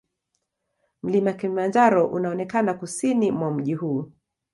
Mlima Kilimanjaro unaonekana kusini mwa mji huu.